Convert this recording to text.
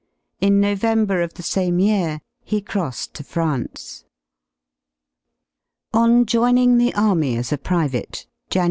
In November of the same year he crossed to France, ON JOINING THE ARMY AS A PRIVATE JAN.